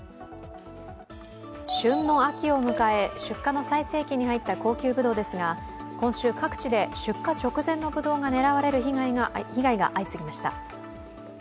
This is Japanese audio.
旬の秋を迎え出荷の最盛期に入った高級ブドウですが、今週、各地で出荷直前のブドウが狙われる被害が相次ぎました。